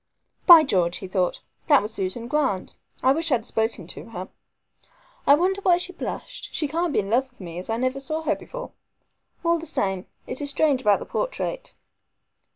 "By George!" he thought, "that was Susan Grant. I wish I had spoken to her. I wonder why she blushed. She can't be in love with me, as I never saw her before. All the same, it is strange about the portrait."